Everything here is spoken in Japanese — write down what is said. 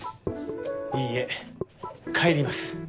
いいえ帰ります。